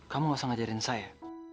kamu gak usah ngajarin saya